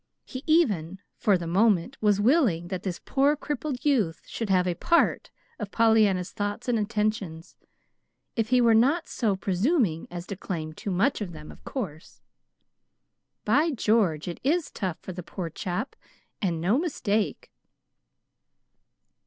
He even, for the moment, was willing that this poor crippled youth should have a PART of Pollyanna's thoughts and attentions, if he were not so presuming as to claim too much of them, of course! "By George! it is tough for the poor chap, and no mistake."